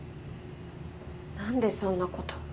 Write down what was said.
なんでそんなこと。